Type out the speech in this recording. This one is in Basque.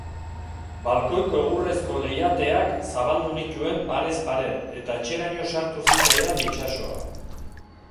Balkoiko egurrezko leihateak zabaldu nituen parez pare eta etxeraino sartu zitzaidan itsasoa.